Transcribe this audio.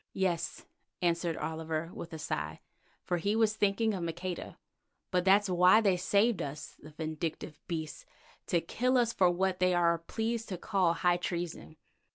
"Yes," answered Oliver with a sigh, for he was thinking of Maqueda, "but that's why they saved us, the vindictive beasts, to kill us for what they are pleased to call high treason."